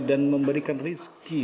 dan memberikan rezeki